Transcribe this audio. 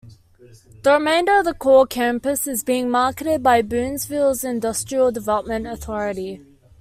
The remainder of the core campus is being marketed by Boonville's Industrial Development Authority.